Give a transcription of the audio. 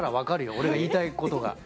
俺が言いたいことが。